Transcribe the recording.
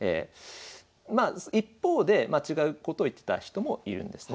まあ一方で違うことを言ってた人もいるんですね。